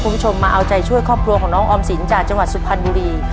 คุณผู้ชมมาเอาใจช่วยครอบครัวของน้องออมสินจากจังหวัดสุพรรณบุรี